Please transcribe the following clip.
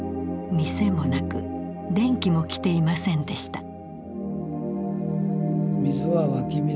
店もなく電気も来ていませんでした。